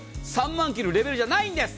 ３万円切るレベルじゃないんです。